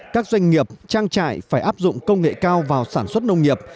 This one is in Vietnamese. các doanh nghiệp trang trại phải áp dụng công nghệ cao vào sản xuất nông nghiệp